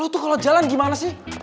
lo tuh kalo jalan gimana sih